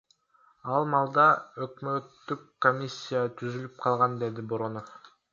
Ал маалда өкмөттүк комиссия түзүлүп калган, — деди Боронов.